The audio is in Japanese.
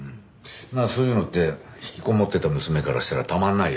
そういうのって引きこもってた娘からしたらたまんないよね。